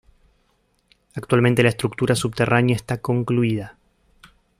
Actualmente la estructura subterránea está concluida.